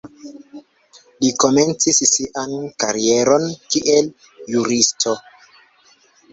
Li komencis sian karieron kiel juristo.